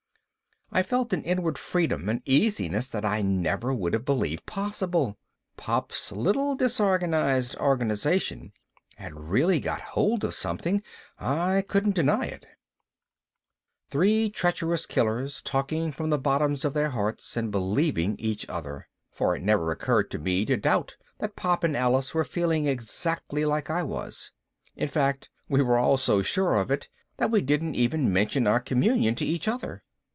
I felt an inward freedom and easiness that I never would have believed possible. Pop's little disorganized organization had really got hold of something, I couldn't deny it. Three treacherous killers talking from the bottoms of their hearts and believing each other! for it never occurred to me to doubt that Pop and Alice were feeling exactly like I was. In fact, we were all so sure of it that we didn't even mention our communion to each other.